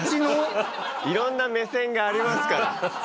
いろんな目線がありますから。